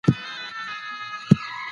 مهاجرت لرو.